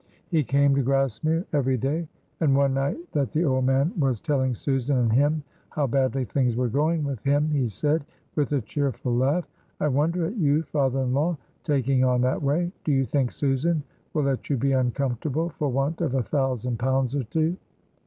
He came to Grassmere every day; and one night that the old man was telling Susan and him how badly things were going with him, he said, with a cheerful laugh: "I wonder at you, father in law, taking on that way. Do you think Susan will let you be uncomfortable for want of a thousand pounds or two?"